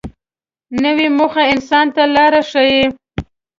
نوې موخه انسان ته لار ښیي